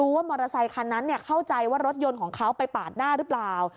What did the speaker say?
ว่ารถยนต์ของเขาไปปาดหน้าหรือเปล่า